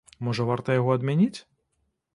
Можа, варта яго адмяніць?